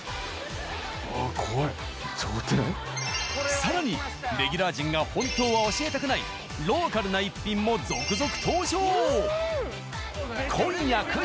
更に、レギュラー陣が本当は教えたくないローカルな一品も続々登場！